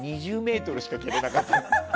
２０ｍしか蹴れなかったの。